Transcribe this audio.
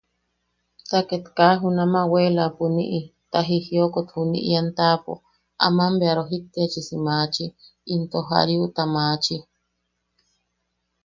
Ta ket kaa junama weelapuniʼi, ta jijiokot juni in a taʼapo, aman bea rojiktiachisi maachi, into jariuta maachi.